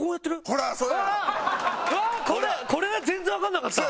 これは全然わかんなかった。